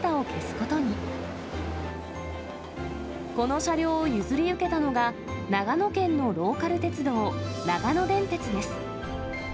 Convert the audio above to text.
この車両を譲り受けたのが、長野県のローカル鉄道、長野電鉄です。